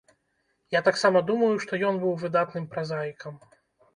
Я таксама думаю, што ён быў выдатным празаікам.